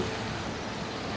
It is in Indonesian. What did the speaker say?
hutan ini adalah rumahku